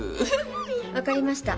わかりました。